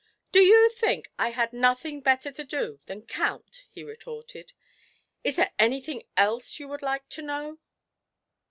'Do you think I had nothing better to do than count?' he retorted. 'Is there anything else you would like to know?'